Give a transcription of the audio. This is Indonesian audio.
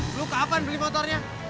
lo kapan beli motornya